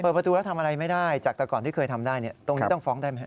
ประตูแล้วทำอะไรไม่ได้จากแต่ก่อนที่เคยทำได้ตรงนี้ต้องฟ้องได้ไหมครับ